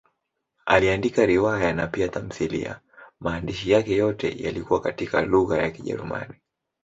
Aliandika riwaya na pia tamthiliya; maandishi yake yote yalikuwa katika lugha ya Kijerumani.